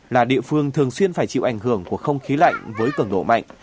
là địa phương thường xuyên phải chịu ảnh hưởng của không khí lạnh với cường độ mạnh